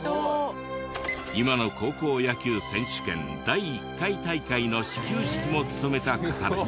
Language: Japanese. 今の高校野球選手権第１回大会の始球式も務めた方で。